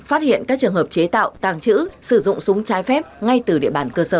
phát hiện các trường hợp chế tạo tàng trữ sử dụng súng trái phép ngay từ địa bàn cơ sở